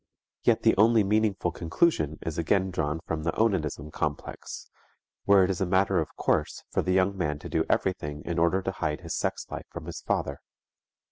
Yet the only meaningful conclusion is again drawn from the onanism complex, where it is a matter of course for the young man to do everything in order to hide his sex life from his father.